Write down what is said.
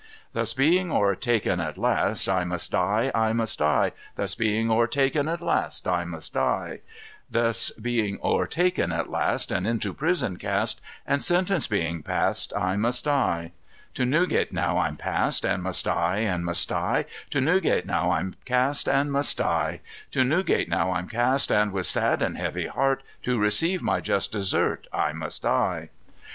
"Thus being o'ertaken at last, I must die, I must die, Thus being o'ertaken at last, I must die; Thus being o'ertaken at last, and into prison cast, And sentence being pass'd, I must die. "To Newgate now I'm cast, and must die, and must die, To Newgate now I'm cast, and must die, To Newgate now I'm cast, with sad and heavy heart, To receive my just desert, I must die.